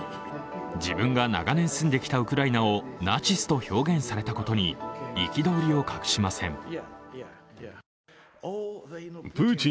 自分が長年住んできたウクライナをナチスと表現されたことに憤りを隠しません。